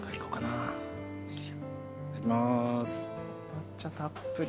抹茶たっぷり。